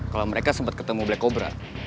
kalau mereka sempat ketemu black cobra